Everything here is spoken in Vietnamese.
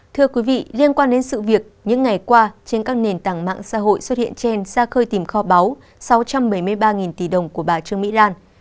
thưa quý vị liên quan đến sự việc những ngày qua trên các nền tảng mạng xã hội xuất hiện trên xa khơi tìm kho báu sáu trăm bảy mươi ba tỷ đồng của bà trương mỹ lan